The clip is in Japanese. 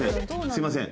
すみません。